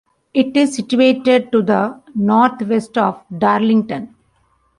It is situated to the north west of Darlington.